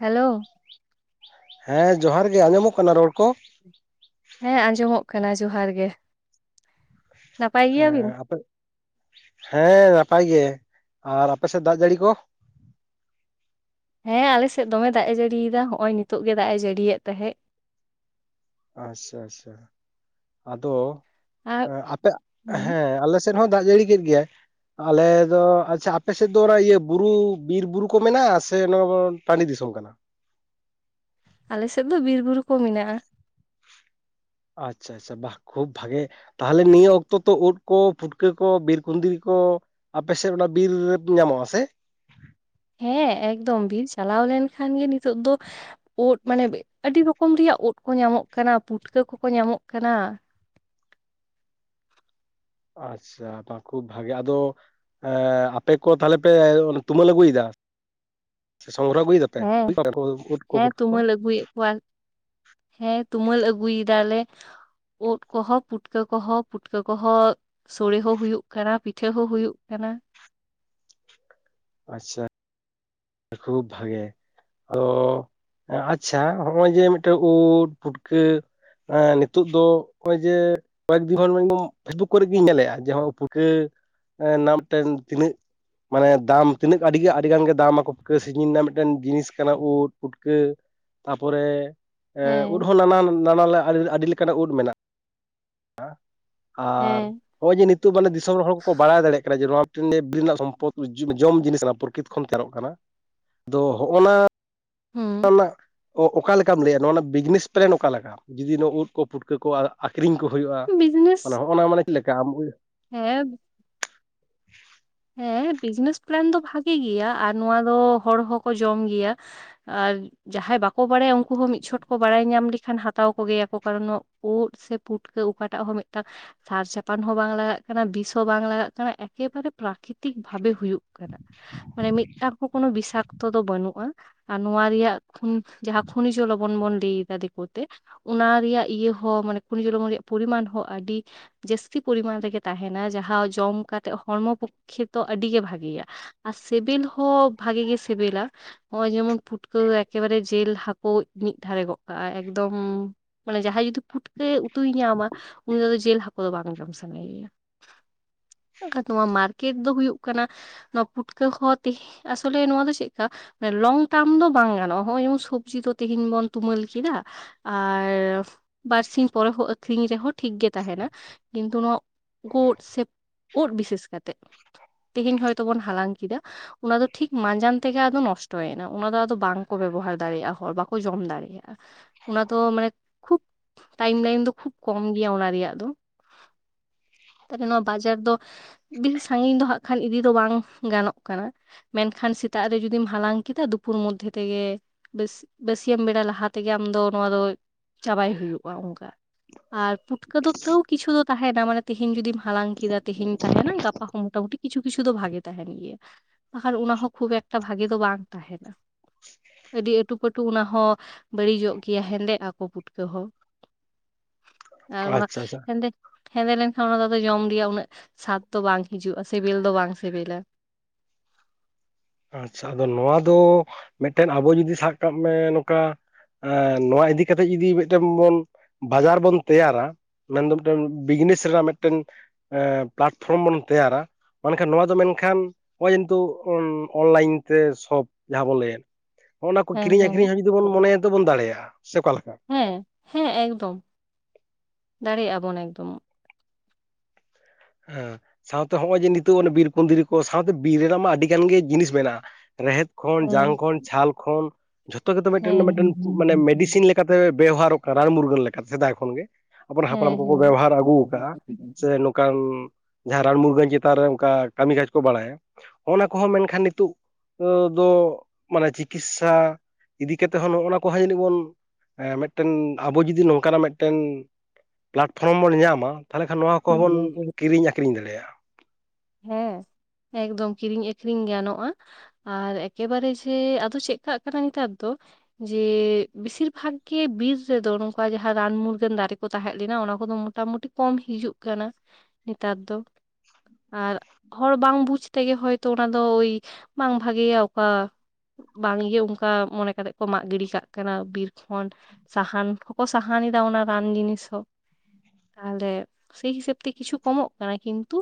Hello ᱦᱮᱸ ᱡᱚᱦᱟᱨ ᱜᱮ ᱟᱸᱡᱚᱢᱚᱜ ᱠᱟᱱᱟ ᱨᱚᱲ ᱠᱚ ᱦᱮᱸ ᱟᱸᱡᱚᱢᱚᱜ ᱠᱟᱱᱟ ᱡᱚᱦᱟᱨ ᱜᱮ ᱱᱟᱯᱟᱭ ᱜᱮᱭᱟᱵᱤᱱ? ᱟᱯᱮ ᱦᱮᱸ ᱱᱟᱯᱟᱭ ᱜᱮ ᱟᱨ ᱟᱯᱮ ᱥᱮᱫ ᱫᱟᱜ ᱡᱟᱹᱲᱤ ᱠᱚ ᱦᱮᱸ ᱟᱞᱮ ᱥᱮᱫ ᱫᱚᱢᱮ ᱫᱟᱜ ᱮ ᱡᱟᱹᱲᱤᱭᱮᱫᱟ ᱱᱚᱜ ᱚᱭ ᱱᱤᱛᱚᱜ ᱜᱮ ᱫᱟᱜ ᱮ ᱡᱟᱹᱲᱤᱭᱮᱫ ᱛᱟᱦᱮᱸᱫ ᱟᱪᱪᱷᱟ ᱟᱪᱪᱷᱟ ᱟᱫᱚ ᱟᱨ ᱟᱯᱮ ᱦᱩᱸ ᱦᱮᱸ ᱟᱞᱮ ᱥᱮᱫ ᱦᱚᱸ ᱫᱟᱜ ᱡᱟᱹᱲᱤ ᱠᱮᱫ ᱜᱮᱭᱟᱭ ᱟᱞᱮ ᱫᱚ ᱟᱪᱪᱷᱟ ᱟᱯᱮᱥᱮᱫ ᱫᱚ ᱚᱱᱟ ᱤᱭᱟᱹ ᱵᱩᱨᱩ ᱵᱤᱨ ᱵᱩᱨᱩ ᱠᱚ ᱢᱮᱱᱟᱜᱼᱟ ᱥᱮ ᱱᱚᱣᱟ ᱴᱟᱺᱰᱤ ᱫᱤᱥᱚᱢ ᱠᱟᱱᱟ ᱟᱞᱮᱥᱮᱫ ᱫᱚ ᱵᱤᱨ ᱵᱩᱨᱩ ᱠᱚ ᱢᱮᱱᱟᱜ ᱟ ᱟᱪᱪᱷᱟ ᱟᱪᱪᱷᱟ ᱵᱟᱦ ᱠᱷᱩᱵᱽ ᱵᱷᱟᱜᱤ ᱛᱟᱦᱚᱞᱮ ᱱᱤᱭᱟᱹ ᱚᱠᱛᱚ ᱛᱚ ᱩᱫ ᱠᱚ ᱯᱷᱩᱴᱠᱟᱹ ᱠᱚ ᱵᱤᱨ ᱠᱩᱸᱫᱽᱨᱤ ᱠᱚ ᱟᱯᱮᱥᱮᱫ ᱚᱱᱟ ᱵᱤᱨ ᱨᱮᱫ ᱧᱟᱢᱚᱜᱼᱟ ᱥᱮ ᱦᱮᱸ ᱮᱠᱫᱚᱢ ᱵᱤᱨ ᱪᱟᱞᱟᱣ ᱞᱮᱱᱠᱷᱟᱱ ᱜᱮ ᱱᱤᱛᱚᱜ ᱫᱚ ᱩᱫ ᱢᱟᱱᱮ ᱟᱹᱰᱤ ᱨᱚᱠᱚᱢ ᱨᱮᱭᱟᱜ ᱩᱫ ᱠᱚ ᱧᱟᱢᱚᱜ ᱠᱟᱱᱟ ᱯᱩᱴᱠᱟᱹ ᱠᱚᱠᱚ ᱧᱟᱢᱚᱜ ᱠᱟᱱᱟ᱾ ᱟᱪᱪᱷᱟ ᱦᱚᱸ ᱠᱷᱩᱵᱽ ᱵᱷᱟᱜᱮ ᱟᱫᱚ ᱟᱯᱮ ᱠᱚ ᱛᱟᱦᱚᱞᱮ ᱯᱮ ᱛᱩᱢᱟᱹᱞ ᱟᱹᱜᱩᱭᱮᱫᱟ ᱥᱚᱝ ᱜᱨᱚᱦ [unintelligible] ᱜᱫᱟ ᱦᱮᱸ ᱦᱮᱸ ᱛᱩᱢᱟᱹᱞ ᱟᱹᱜᱩᱭᱮᱫ ᱠᱚᱣᱟ ᱦᱮᱸ ᱛᱩᱢᱟᱹᱞ ᱟᱹᱜᱩᱭ ᱫᱟᱞᱮ ᱩᱫ ᱠᱚᱦᱚᱸ ᱯᱩᱴᱠᱟᱹ ᱠᱚᱦᱚᱸ ᱯᱩᱴᱠᱟᱹ ᱠᱚᱦᱚᱸ ᱥᱳᱲᱮ ᱦᱚᱸ ᱦᱩᱭᱩᱜ ᱠᱟᱱᱟ ᱯᱤᱴᱷᱟᱹ ᱦᱚᱸ ᱦᱩᱭᱩᱜ ᱠᱟᱱᱟ ᱟᱪᱪᱷᱟ ᱠᱷᱩᱵᱽ ᱵᱷᱟᱜᱮ ᱟᱫᱚ ᱟᱪᱪᱷᱟ ᱱᱚᱜᱼᱚᱭ ᱡᱮ ᱢᱤᱫᱴᱮᱡ ᱩᱴ ᱯᱷᱩᱴᱠᱟᱹ ᱱᱤᱛᱳᱜ ᱫᱚ ᱱᱚᱜᱼᱚᱭ ᱡᱮ ᱠᱚᱭᱮᱠᱫᱤᱱ ᱯᱷᱮᱥᱵᱩᱠ ᱠᱚᱨᱮ ᱜᱤᱧ ᱧᱮᱞᱮᱜᱼᱟ ᱡᱮ ᱩᱫ ᱯᱩᱴᱠᱟᱹ ᱨᱮᱱᱟᱜ ᱢᱤᱫᱴᱮᱱ ᱛᱤᱱᱟᱹᱜ᱾ ᱢᱟᱱᱮ ᱫᱟᱢ ᱛᱤᱱᱟᱹᱜ ᱟᱹᱰᱤᱜ ᱟᱹᱰᱤᱜᱟᱱ ᱜᱮ ᱫᱟᱢᱟᱠᱚ ᱯᱩᱴᱠᱟᱹ [inaudible] ᱥᱜᱤᱧ ᱨᱮᱱᱟᱜ ᱢᱤᱫᱴᱮᱱ ᱡᱤᱱᱤᱥ ᱠᱟᱱᱟ ᱩᱫ ᱯᱩᱴᱠᱟᱹ ᱛᱟᱨᱯᱚᱨᱮ ᱩᱫ ᱦᱮᱸ ᱦᱚᱸ ᱱᱟᱱᱟ ᱱᱟᱱᱟ ᱟᱹᱰᱤ ᱞᱮᱠᱟᱱᱟᱜ ᱩᱫ ᱢᱮᱱᱟᱜᱼᱟ ᱟᱨ ᱦᱮᱸ ᱱᱚᱜᱼᱚᱭ ᱡᱮ ᱱᱤᱛᱚᱜ ᱢᱟᱱᱮ ᱫᱤᱥᱚᱢ ᱨᱮᱱ ᱦᱚᱲ ᱠᱚᱠᱚ ᱵᱟᱲᱟᱭ ᱫᱟᱲᱮᱭᱟᱜ ᱠᱟᱱᱟ ᱡᱮ ᱱᱚᱣᱟ ᱵᱤ [inaudible] ᱨᱮᱱᱟᱜ ᱥᱚᱢᱯᱚᱫᱽ ᱡᱚᱢ ᱡᱤᱱᱤᱥ ᱚᱱᱟ ᱯᱨᱚᱠᱨᱤᱛ ᱠᱷᱚᱱ ᱛᱮᱭᱟᱨᱚᱜ ᱠᱟᱱᱟ ᱟᱫᱚ ᱱᱚᱜᱼᱚ ᱱᱟ ᱦᱩᱸ ᱪᱟᱱᱟ [inaudible] ᱚ-ᱚᱠᱟ ᱞᱮᱠᱟᱢ ᱞᱟᱹᱭᱟ ᱱᱚᱣᱟ ᱵᱤᱡᱽᱱᱮᱥ ᱯᱞᱮᱱ ᱚᱠᱟ ᱞᱮᱠᱟ ᱡᱩᱫᱤ ᱱᱚᱣᱟ ᱩᱫ ᱠᱚ ᱯᱩᱴᱠᱟᱹ ᱠᱚ ᱟ-ᱟᱠᱷᱨᱤᱧ ᱠᱚ ᱦᱩᱭᱩᱜᱼᱟ ᱵᱤᱡᱽᱱᱮᱥ ᱾ ᱟᱞᱚ ᱦᱚᱸᱜ ᱱᱚᱣᱟ ᱢᱟᱱᱮ ᱪᱮ ᱞᱮᱠᱟ ᱟᱢ ᱩ ᱦᱮᱸ ᱦᱮᱸ ᱵᱤᱡᱽᱱᱮᱥ ᱯᱞᱮᱱ ᱫᱚ ᱵᱷᱟᱜᱤ ᱜᱮᱭᱟ ᱟᱨ ᱱᱚᱣᱟ ᱫᱚ ᱦᱚᱲ ᱦᱚᱸᱠᱚ ᱡᱚᱢ ᱜᱮᱭᱟ ᱾ ᱟ ᱡᱟᱦᱟᱸᱭ ᱵᱟᱠᱚ ᱵᱟᱲᱟᱭᱟ ᱩᱱᱠᱩ ᱦᱚᱸ ᱢᱤᱫ ᱪᱷᱚᱴ ᱠᱚ ᱵᱟᱲᱟᱭ ᱧᱟᱢ ᱞᱮᱠᱷᱟᱱ ᱦᱟᱛᱟᱣ ᱠᱚᱜᱮᱭᱟ ᱠᱚ ᱠᱟᱨᱚᱱ ᱳᱫ ᱥᱮ ᱯᱩᱴᱠᱟᱹ ᱚᱠᱟᱴᱟᱜ ᱦᱚᱸ ᱢᱤᱫᱴᱟ ᱥᱟᱨ ᱪᱟᱯᱟᱱ ᱦᱚᱸ ᱵᱟᱝ ᱞᱟᱜᱟᱜ ᱠᱟᱱᱟ ᱵᱤᱥ ᱦᱚᱸ ᱵᱟᱝ ᱞᱟᱜᱟᱜ ᱠᱟᱱᱟ ᱮᱠᱮᱵᱟᱨᱮ ᱯᱨᱟᱠᱤᱛᱤᱠ ᱵᱷᱟᱵᱮ ᱦᱩᱭᱩᱜ ᱠᱟᱱᱟ ᱢᱟᱱᱮ ᱢᱤᱫ ᱢᱤᱫᱴᱟᱝ ᱠᱚ ᱠᱳᱱᱚ ᱵᱤᱥᱟᱠᱛᱚ ᱫᱚ ᱵᱟᱹᱱᱩᱜᱼᱟ ᱟᱨ ᱱᱚᱣᱟ ᱨᱮᱭᱟᱜ ᱠᱷᱩᱱ ᱡᱟᱦᱟᱸ ᱯᱷᱩᱱᱤ ᱪᱚᱞᱚ ᱵᱚᱱ ᱵᱚᱱᱫᱤ ᱫᱟ ᱫᱤᱠ ᱚᱱᱟ ᱨᱮᱭᱟᱜ ᱤᱭᱟᱹ ᱦᱚᱸ ᱢᱟᱱᱮ ᱠᱩᱱᱤ ᱡᱚ ᱨᱮᱭᱟᱜ ᱯᱚᱨᱤᱢᱟᱱ ᱦᱚᱸ ᱟᱹᱰᱤ ᱡᱟᱹᱥᱛᱤ ᱯᱚᱨᱤᱢᱟᱱ ᱨᱮᱜᱮ ᱛᱟᱦᱮᱱᱟ ᱡᱟᱦᱟᱸ ᱡᱚᱢ ᱠᱟᱛᱮᱜ ᱦᱚᱲᱢᱚ ᱯᱚ ᱠᱷᱮᱛᱚ ᱟᱹᱰᱤᱜᱮ ᱵᱷᱟᱜᱮᱭᱟ ᱟᱨ ᱥᱤᱵᱤᱞ ᱦᱚᱸ ᱵᱷᱟᱜᱤ ᱜᱮ ᱥᱤᱵᱤᱞᱟ ᱱᱚᱜᱼᱚᱭ ᱡᱮᱢᱚᱱ ᱯᱷᱩᱴᱠᱟᱹ ᱮᱠᱮᱵᱟᱨᱮ ᱡᱤᱞ ᱦᱟᱹᱠᱩ ᱢᱤᱫ ᱫᱷᱟᱨᱮ ᱜᱚᱫ ᱠᱟᱜᱼᱟ ᱮᱠᱫᱚᱢ ᱢᱟᱱᱮ ᱡᱟᱦᱟᱸᱭ ᱡᱩᱫᱤ ᱯᱩᱴᱠᱟᱹ ᱩᱛᱩᱭ ᱧᱟᱢᱟ, [inaudible] ᱡᱮᱞ ᱦᱟᱹᱠᱩ ᱫᱚ ᱵᱟᱝ ᱡᱚᱢ ᱥᱟᱱᱟᱭ ᱭᱟ ᱾ [inaudible] ᱱᱚᱣᱟ ᱢᱟᱨᱠᱮᱴ ᱫᱚ ᱦᱩᱭᱩᱜ ᱠᱟᱱᱟ ᱱᱚᱣᱟ ᱯᱩᱴᱠᱟᱹ ᱦᱚᱸ ᱛᱮᱦ ᱟᱥᱚᱞᱮ ᱱᱚᱣᱟ ᱫᱚ ᱪᱮᱜᱠᱟ ᱮᱸ ᱞᱚᱝ ᱴᱟᱢ ᱫᱚ ᱵᱟᱝ ᱜᱟᱱᱚᱜ-ᱟ ᱦᱚᱜ-ᱚᱭ ᱥᱚᱵᱡᱤ ᱠᱚ ᱛᱤᱦᱤᱧ ᱵᱚᱱ ᱛᱩᱢᱟᱹᱞ ᱠᱮᱫᱟ ᱾ ᱟᱻ ᱵᱟᱨᱥᱤᱧ ᱯᱚᱨᱮ ᱦᱚᱸ ᱟᱹᱷᱨᱤᱧ ᱨᱮᱦᱚᱸ ᱴᱷᱤᱠ ᱜᱮ ᱛᱟᱦᱮᱱᱟ ᱠᱤᱱᱛᱩ ᱱᱚᱣᱟ ᱜᱳᱰ ᱥᱮ ᱩᱫ ᱵᱤᱥᱮᱥ ᱠᱟᱛᱮᱫ ᱛᱮᱦᱮᱧ ᱦᱚᱭᱛᱚ ᱵᱚᱱ ᱦᱟᱞᱟᱝ ᱠᱮᱫᱟ ᱾ ᱚᱱᱟ ᱫᱚ ᱴᱷᱤᱠ ᱢᱟᱸᱡᱟᱱ ᱛᱮᱜᱮ ᱟᱫᱚ ᱱᱚᱥᱴᱚᱭᱮᱱᱟ ᱚᱱᱟ ᱫᱚ ᱟᱫᱚ ᱵᱟᱝᱠᱚ ᱵᱮᱵᱚᱦᱟᱨ ᱫᱟᱲᱮᱭᱟᱜᱼᱟ ᱦᱚᱲ ᱵᱟᱠᱚ ᱡᱚᱢ ᱫᱟᱲᱮᱭᱟᱜᱼᱟ ᱾ ᱚᱱᱟ ᱫᱚ ᱢᱟᱱᱮ ᱠᱷᱩᱵ ᱴᱟᱭᱤᱢ ᱞᱟᱭᱤᱱ ᱫᱚ ᱠᱷᱩᱵ ᱠᱚᱢ ᱜᱮᱭᱟ ᱚᱱᱟ ᱨᱮᱭᱟᱜ ᱫᱚ ᱾ ᱛᱟᱦᱞᱮ ᱱᱚᱣᱟ ᱵᱟᱡᱟᱨ ᱫᱚ ᱵᱤ ᱥᱟᱺᱜᱤᱧ ᱫᱚ ᱦᱟᱸᱜ ᱠᱷᱟᱱ ᱤᱫᱤ ᱫᱚ ᱵᱟᱝ ᱜᱟᱱᱚᱜ ᱠᱟᱱᱟ ᱾ ᱢᱮᱱᱠᱷᱟᱱ ᱥᱮᱛᱟᱜ ᱨᱮ ᱡᱩᱫᱤᱢ ᱦᱟᱞᱟᱝ ᱠᱮᱫᱟ ᱫᱩᱯᱩᱨ ᱢᱚᱫᱽᱫᱷᱮ ᱛᱮᱜᱮ ᱵᱮᱥᱤ-ᱵᱟᱹᱥᱤᱭᱟᱹᱢ ᱵᱮᱲᱟ ᱞᱟᱦᱟ ᱛᱮᱜᱮ ᱟᱢ ᱫᱚ ᱱᱚᱣᱟ ᱫᱚ ᱪᱟᱵᱟᱭ ᱦᱩᱭᱩᱜᱼᱟ ᱚᱱᱠᱟ ᱾ ᱟᱨ ᱯᱩᱴᱠᱟᱹ ᱫᱚ ᱛᱟᱹᱣ ᱠᱤᱪᱷᱩ ᱫᱚ ᱛᱟᱦᱮᱱᱟ ᱢᱟᱱᱮ ᱛᱮᱦᱤᱧ ᱡᱩᱫᱤᱢ ᱦᱟᱞᱟᱝ ᱠᱮᱫᱟ ᱛᱮᱦᱤᱧ ᱛᱟᱦᱮᱸᱱᱟ ᱾ ᱜᱟᱯᱟ ᱦᱚᱸ ᱢᱚᱴᱟᱢᱩᱴᱤ ᱠᱤᱪᱷᱩ-ᱠᱤᱪᱷᱩ ᱫᱚ ᱵᱷᱟᱜᱮ ᱛᱟᱦᱮᱱ ᱜᱮᱭᱟ ᱾ ᱵᱟᱠᱷᱟᱱ ᱚᱱᱟ ᱦᱚᱸ ᱠᱷᱩᱵ ᱮᱠᱴᱟ ᱵᱷᱟᱜᱮ ᱫᱚ ᱵᱟᱝ ᱛᱟᱦᱮᱱᱟ ᱾ ᱟᱹᱰᱤ ᱟᱹᱴᱩ-ᱯᱟᱹᱴᱩ ᱚᱱᱟ ᱦᱚᱸ ᱵᱟᱹᱲᱤᱡᱚᱜ ᱜᱮᱭᱟ ᱦᱮᱸᱫᱮᱜ ᱟᱠᱚ ᱯᱩᱴᱠᱟᱹ ᱦᱚᱸ ᱾ ᱮᱸ ᱚᱱᱟ ᱟᱪᱪᱷᱟ ᱟᱪᱪᱷᱟ ᱦᱮᱸᱫᱮ, ᱦᱮᱸᱫᱮ ᱞᱮᱱᱠᱷᱟᱱ ᱚᱱᱟ ᱫᱚ ᱡᱚᱢ ᱜᱮᱭᱟᱜ ᱩᱱᱟᱹᱜ ᱥᱟᱫ ᱾ ᱛᱚ ᱵᱟᱝ ᱦᱤᱡᱩᱜ-ᱟ ᱥᱤᱵᱤᱞ ᱫᱚ ᱵᱟᱝ ᱥᱤᱵᱤᱞᱟ ᱾ ᱟᱪᱪᱷᱟ, ᱟᱫᱚ ᱱᱚᱣᱟ ᱫᱚ ᱢᱤᱫᱴᱮᱱ ᱟᱵᱚ ᱡᱩᱫᱤ ᱥᱟᱵ ᱠᱟᱜ ᱢᱮ ᱱᱚᱠᱟ ᱾ ᱟ ᱱᱚᱣᱟ ᱤᱫᱤ ᱠᱟᱛᱮ ᱡᱩᱫᱤ ᱢᱤᱫᱴᱮᱱ ᱵᱚᱱ ᱵᱟᱡᱟᱨ ᱵᱚᱱ ᱛᱮᱭᱟᱨᱟ ᱾ ᱢᱮᱱ ᱫᱚ ᱢᱤᱫᱴᱮᱱ ᱵᱤᱡᱽᱱᱮᱥ ᱨᱮᱱᱟᱜ ᱢᱤᱫᱴᱮᱱ ᱮᱸ ᱯᱞᱟᱴᱯᱷᱨᱚᱢ ᱵᱚᱱ ᱛᱮᱭᱟᱨᱟ ᱢᱮᱱᱠᱷᱟᱱ ᱱᱚᱣᱟ ᱫᱚ ᱢᱮᱱᱠᱷᱟᱱ ᱱᱚᱜ-ᱚᱭ ᱠᱤᱱᱛᱩ ᱾ ᱚᱱᱞᱟᱭᱤᱱ ᱛᱮ ᱥᱚᱯ ᱡᱟᱦᱟᱸ ᱵᱚᱱ ᱞᱟᱹᱭᱮᱫ ᱾ ᱦᱚ-ᱱᱟ ᱠᱚ ᱦᱮᱸ ᱠᱤᱨᱤᱧ ᱦᱮᱸ ᱟᱹᱠᱠᱷᱨᱤᱧ ᱦᱟᱹᱵᱤᱡ ᱫᱚ ᱵᱚᱱ ᱢᱚᱱᱮᱭᱟ ᱛᱚᱵᱚᱱ ᱫᱟᱲᱮᱭᱟᱜ-ᱟ, ᱥᱮ ᱚᱠᱟ ᱞᱮᱠᱟ? ᱦᱮᱸ, ᱦᱮᱸ, ᱮᱠᱫᱚᱢ ᱫᱟᱲᱮᱭᱟᱜ-ᱟ ᱵᱚᱱ ᱮᱠᱫᱚᱢ ᱾ ᱦᱮᱸ ᱥᱟᱶᱛᱮ ᱦᱚᱜ-ᱚᱭ ᱡᱮ ᱱᱤᱛᱚᱜ ᱵᱤᱨ ᱠᱩᱸᱫᱽᱨᱤ ᱠᱚ ᱥᱟᱶᱛᱮ ᱵᱤᱨ ᱨᱮᱱᱟᱜ ᱢᱟ ᱟᱹᱰᱤ ᱜᱟᱱ ᱜᱮ ᱡᱤᱱᱤᱥ ᱢᱮᱱᱟᱜᱼᱟ ᱾ ᱨᱮᱦᱮᱫ ᱠᱷᱚᱱ ᱦᱮᱸ ᱡᱟᱝ ᱠᱷᱚᱱ ᱪᱷᱟᱞ ᱠᱷᱚᱱ ᱡᱷᱚᱛᱚ ᱜᱮᱛᱚ ᱢᱮᱴᱮᱱ ᱵᱟ ᱦᱮᱸ ᱢᱮᱴᱮᱱ ᱢᱟᱱᱮ ᱢᱮᱰᱤᱥᱤᱱ ᱞᱮᱠ ᱠᱟᱛᱮ ᱵᱮᱣᱦᱟᱨᱚᱜ ᱠᱟᱱ ᱨᱟᱱ ᱢᱩᱨᱜᱟᱹᱱ ᱞᱮᱠᱟ ᱥᱮᱫᱟᱭ ᱠᱷᱚᱱ ᱜᱮ ᱾ ᱟᱵᱚᱨᱮᱱ ᱦᱟᱯᱲᱟᱢ ᱦᱮᱸ ᱠᱚᱠᱚ ᱦᱮᱸ ᱵᱮᱵᱚᱦᱟᱨ ᱟᱹᱜᱩ ᱠᱟᱜᱼᱟ, ᱥᱮ ᱠᱟᱱ ᱡᱟᱦᱟᱸ ᱨᱟᱱ ᱢᱩᱨᱜᱟᱹᱱ ᱪᱮᱛᱟᱱ ᱨᱮ ᱚᱱᱠᱟ ᱠᱟᱹᱢᱤ ᱠᱟᱡᱽ ᱠᱚ ᱵᱟᱲᱟᱭᱟ ᱾ ᱦᱚᱱᱟ ᱠᱚᱦᱚᱸ ᱢᱮᱱᱠᱷᱟᱱ ᱱᱤᱛᱳᱜ ᱠᱚ ᱫᱚ ᱢᱟᱱᱮ ᱪᱤᱠᱤᱥᱥᱟ ᱤᱫᱤ ᱠᱟᱛᱮᱜ ᱦᱚᱸ ᱱᱚᱜᱼᱚ ᱱᱟ ᱠᱚ ᱦᱟ ᱡᱟᱹᱱᱤᱡ ᱵᱚᱱ ᱮᱸ ᱢᱮᱫᱴᱮᱱ ᱟᱵᱚ ᱡᱩᱫᱤ ᱱᱚᱝᱠᱟᱱᱟᱜ ᱢᱮᱫᱴᱮᱱ ᱯᱞᱟᱴᱯᱷᱨᱚᱢ ᱵᱚᱱ ᱧᱟᱢᱟ ᱾ ᱛᱟᱦᱚᱞᱮ ᱠᱷᱟᱱ ᱱᱚᱣᱟ ᱠᱚ ᱦᱚᱵᱚᱱ ᱠᱤᱨᱤᱧ ᱟᱹᱠᱷᱨᱤᱧ ᱫᱟᱲᱮᱭᱟᱜᱼᱟ ᱾ ᱦᱮᱸ, ᱮᱠᱫᱚᱢ ᱠᱤᱞᱤ ᱟᱹᱠᱷᱨᱤᱧ ᱜᱟᱱᱚᱜᱼᱟ ᱾ ᱟᱨ ᱮᱠᱮᱵᱟᱨᱮ ᱡᱮ ᱟᱫᱚ ᱪᱮᱜ ᱠᱟᱜ ᱠᱟᱱᱟ ᱱᱮᱛᱟᱨ ᱫᱚ ᱡᱮ ᱵᱮᱥᱤᱨ ᱵᱷᱟᱜᱽ ᱜᱮ ᱵᱤᱨ ᱨᱮᱫᱚ ᱱᱚᱝᱠᱟ ᱡᱟᱦᱟᱸ ᱨᱟᱱ ᱢᱩᱨᱜᱟᱹᱱ ᱫᱟᱨᱮ ᱠᱚ ᱛᱟᱦᱮᱸᱜ ᱞᱮᱱᱟ ᱚᱱᱟ ᱠᱚᱫᱚ ᱢᱚᱴᱟᱢᱩᱴᱤ ᱠᱚᱢ ᱦᱤᱡᱩᱜ ᱠᱟᱱᱟ ᱱᱤᱛᱟᱨ ᱫᱚ ᱾ ᱟᱨ ᱦᱚᱲ ᱵᱟᱝ ᱵᱩᱡᱽ ᱛᱮᱜᱮ ᱦᱚᱭᱛᱚ ᱚᱱᱟ ᱫᱚ ᱤ ᱵᱟᱝ ᱵᱷᱟᱜᱮᱭᱟ ᱚᱠᱟ ᱵᱟᱝ ᱤᱭᱟᱹ ᱚᱱᱠᱟ ᱢᱚᱱᱮ ᱠᱟᱛᱮᱜ ᱠᱚ ᱢᱟᱜ ᱜᱤᱰᱤ ᱠᱟᱜ ᱠᱟᱱᱟ ᱵᱤᱨ ᱠᱷᱚᱱ, ᱥᱟᱦᱟᱱ ᱦᱩᱸᱠᱚ ᱥᱟᱦᱟᱱ ᱮᱫᱟ ᱚᱱᱟ ᱨᱟᱱ ᱡᱤᱱᱤᱥ ᱦᱚᱸ᱾ ᱛᱟᱦᱚᱞᱮ ᱥᱮᱭ ᱦᱤᱥᱟᱹᱵ ᱛᱮ ᱠᱤᱪᱷᱩ ᱠᱚᱢᱚᱜ ᱠᱟᱱᱟ ᱠᱤᱱᱛᱩ,